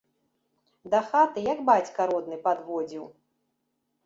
Да хаты як бацька родны падводзіў.